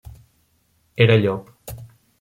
Era llop.